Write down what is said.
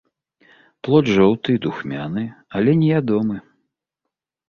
Плод жоўты і духмяны, але не ядомы.